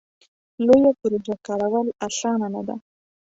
لویه پروژه کارول اسانه نه ده.